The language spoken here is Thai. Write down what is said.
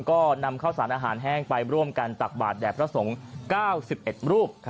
ก็นำข้าวสารอาหารแห้งไปร่วมกันตักบาทแด่พระสงฆ์๙๑รูป